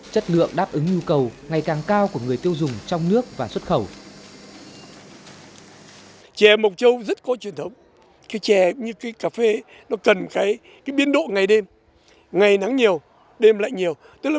chất lượng đáp ứng nhu cầu ngày càng cao của người tiêu dùng trong nước và xuất khẩu